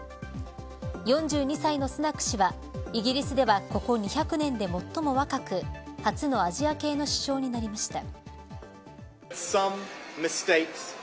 ４２歳のスナク氏はイギリスではここ２００年で最も若く初のアジア系の首相になりました。